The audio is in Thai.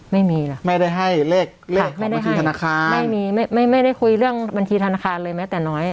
ไม่มีไม่ได้ให้เลขของบัญชีธนาคารไม่ได้คุยเรื่องบัญชีธนาคารเลยแม้แต่น้อย